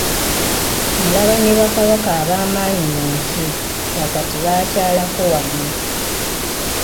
Mulaba ne Bakabaka abaamaanyi mu nsi nga kati baakyalako wano.